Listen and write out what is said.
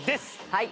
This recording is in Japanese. はい。